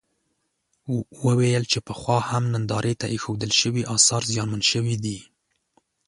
وویل چې پخوا هم نندارې ته اېښودل شوي اثار زیانمن شوي دي.